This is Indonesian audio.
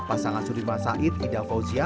pasangan sudirman said ida fauzia